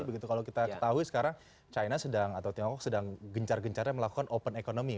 begitu kalau kita ketahui sekarang china sedang atau tiongkok sedang gencar gencarnya melakukan open economy